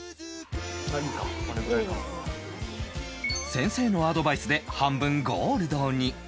先生のアドバイスで半分ゴールドに